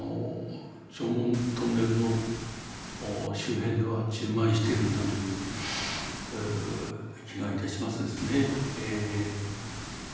常紋トンネルの周辺では充満してるんだという気がいたしますですねええええ。